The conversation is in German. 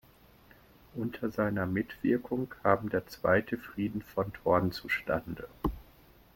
Unter seiner Mitwirkung kam der Zweite Frieden von Thorn zustande.